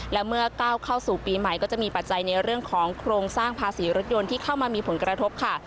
และเมื่อก้าวเข้าสู่ปีใหม่ก็จะมีปัจจัยในเรื่องของโครงสร้างภาษีรถยนต์ที่เข้ามามีผลกระทบค่ะ